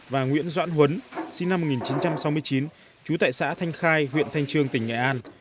và nguyễn doãn huấn sinh năm một nghìn chín trăm sáu mươi chín trú tại xã thanh khai huyện thanh trương tỉnh nghệ an